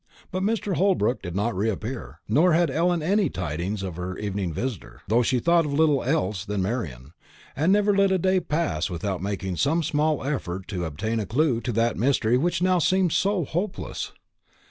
But Mr. Holbrook did not reappear, nor had Ellen any tidings for her evening visitor; though she thought of little else than Marian, and never let a day pass without making some small effort to obtain a clue to that mystery which now seemed so hopeless.